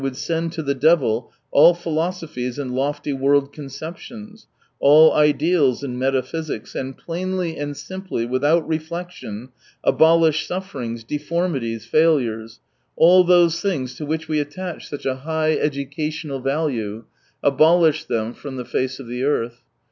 would send to the devil all philosophies ahd lofty world conceptions, all ideals and metaphysics, and plainly and simply, without reflection, abolish sufferings, deformities, failures, all those tilings to which we attach such a high 202 educational value, abolish them from the face of the earth.